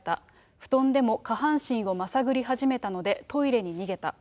布団でも下半身をまさぐり始めたので、トイレに逃げた。